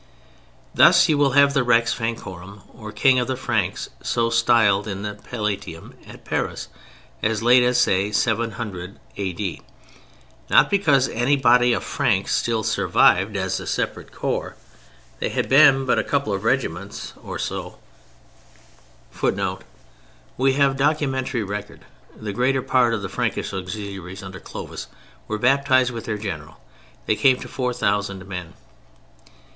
Thus you will have the Rex Francorum, or King of the Franks, so styled in the Palatium at Paris, as late as, say, 700 A.D. Not because any body of "Franks" still survived as a separate corps—they had been but a couple of regiments or so [Footnote: We have documentary record. The greater part of the Frankish auxiliaries under Clovis were baptized with their General. They came to 4,000 men.